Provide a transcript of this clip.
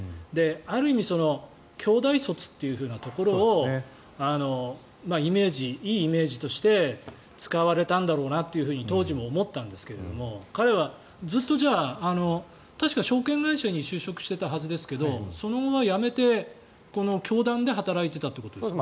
ある意味京大卒っていうところをイメージ、いいイメージとして使われたんだろうなって当時も思ったんですけれども彼はずっと確か証券会社に就職していたはずですがその後は辞めてこの教団で働いていたということですか。